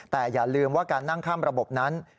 แต่อย่าลืมว่าการนั่งข้ามระบบนั้น